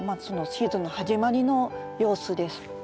そのシーズンの始まりの様子です。